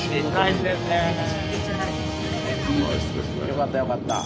よかったよかった。